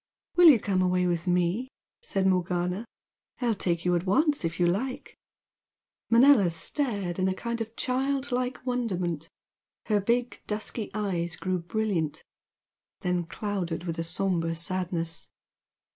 "Will you come away with me?" said Morgana "I'll take you at once if you like!" Manella stared in a kind of child like wonderment, her big dusky eyes grew brilliant, then clouded with a sombre sadness.